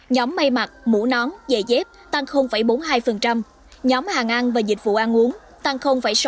nhóm mây mặt mũ nón dệ dép tăng bốn mươi hai nhóm hàng ăn và dịch vụ ăn uống tăng sáu mươi một